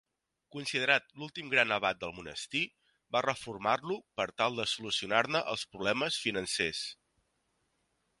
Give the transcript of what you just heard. Considerat l'últim gran abat del monestir, va reformar-lo per tal de solucionar-ne els problemes financers.